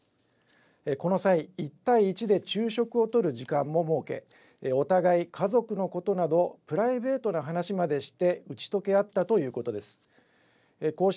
この際、１対１で昼食をとる時間も設け、お互い家族のことなど、プライベートな話までして打ち解けあったということです。